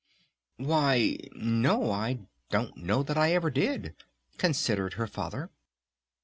"Why ... no, I don't know that I ever did," considered her Father.